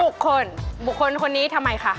บุคคลบุคคลคนนี้ทำไมคะ